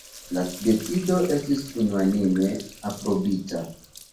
La decido estis unuanime aprobita.